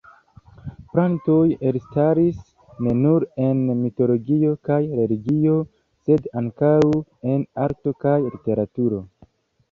Plantoj elstaris ne nur en mitologio kaj religio sed ankaŭ en arto kaj literaturo.